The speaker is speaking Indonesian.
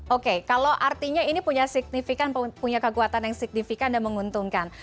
oke kalau artinya ini punya kekuatan yang signifikan dan menguntungkan